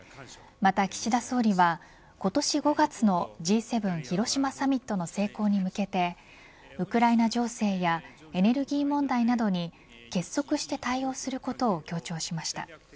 また岸田総理は今年５月のＧ７広島サミットの成功に向けてウクライナ情勢やエネルギー問題などに結束して対応することを強調しました。